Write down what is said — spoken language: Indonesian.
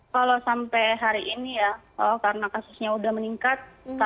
kalau sampai hari ini ya karena kasusnya sudah meningkat